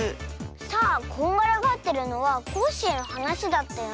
さあこんがらがってるのはコッシーのはなしだったよね。